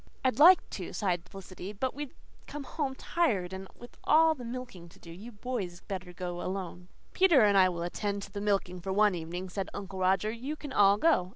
"I'd like to," sighed Felicity, "but we'd come home tired and with all the milking to do. You boys better go alone." "Peter and I will attend to the milking for one evening," said Uncle Roger. "You can all go.